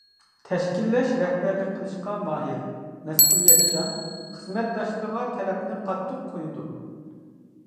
تەشكىللەش، رەھبەرلىك قىلىشقا ماھىر، مەسئۇلىيەتچان، خىزمەتداشلىرىغا تەلەپنى قاتتىق قويىدۇ.